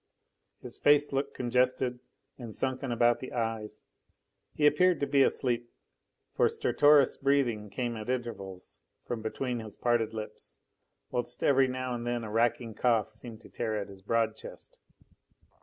His face looked congested and sunken about the eyes; he appeared to be asleep, for stertorous breathing came at intervals from between his parted lips, whilst every now and then a racking cough seemed to tear at his broad chest.